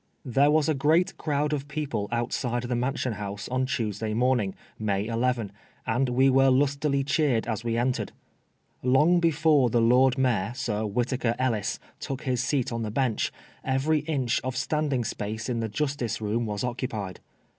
There was a great crowd of people outside the Man sion House on Tuesday morning, May 11, and we were lustily cheered as we entered. Long before the Lord Mayor, Sir Whittaker Ellis, took his seat on the Bench, every inch of standing space in the Justice Room was occupied.